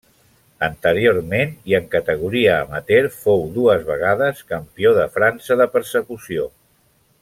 Anteriorment, i en categoria amateur, fou dues vegades campió de França de persecució.